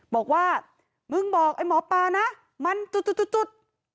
บอกว่ามึงบอกไอ้หมอปลานะมันจุด